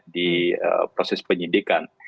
di proses penyidikan